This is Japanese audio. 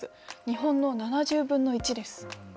日本の７０分の１です。